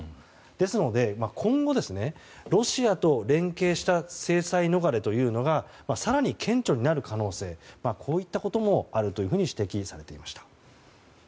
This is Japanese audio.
ですので、今後ロシアと連携した制裁逃れが更に顕著になる可能性こういったこともあると指摘されていました。